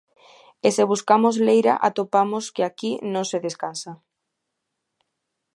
E se buscamos leira atopamos que aquí non se descansa.